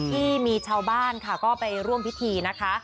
ที่มีชาวบ้านค่ะก็ไปร่วมพิธีนะคะ